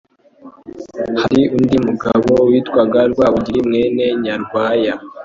Hari undi mugabo witwaga Rwabugili, mwene Nyarwaya